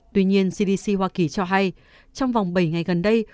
tuy nhiên cdc hoa kỳ cho hay trong vòng bảy ngày gần đây